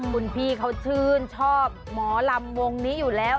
คุณพี่เขาชื่นชอบหมอลำวงนี้อยู่แล้ว